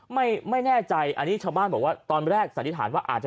ไม่แน่ใจอันนี้ชาวบ้านบอกว่าตอนแรกสันนิษฐานว่าอาจจะ